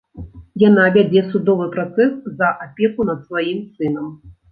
Яна вядзе судовы працэс за апеку над сваім сынам.